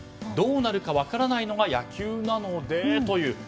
どうなるか分からないのが野球なのでという。